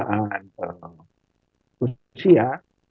tuhan memang itu orang indonesia